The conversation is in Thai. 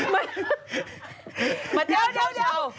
เดี๋ยวเดี๋ยว